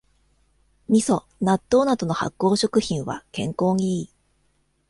みそ、納豆などの発酵食品は健康にいい